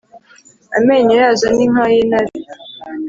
amenyo yazo ni nk’ay’intare,